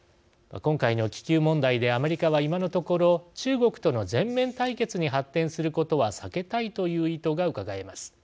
今回の気球問題でアメリカは今のところ中国との全面対決に発展することは避けたいという意図がうかがえます。